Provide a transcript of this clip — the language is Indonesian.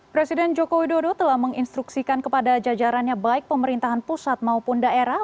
presiden joko widodo telah menginstruksikan kepada jajarannya baik pemerintahan pusat maupun daerah